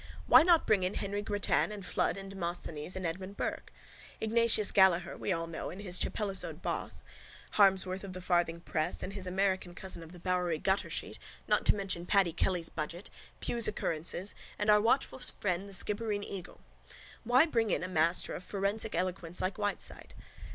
Why not bring in Henry Grattan and Flood and Demosthenes and Edmund Burke? Ignatius Gallaher we all know and his Chapelizod boss, Harmsworth of the farthing press, and his American cousin of the Bowery guttersheet not to mention Paddy Kelly's Budget, Pue's Occurrences and our watchful friend The Skibbereen Eagle. Why bring in a master of forensic eloquence like Whiteside?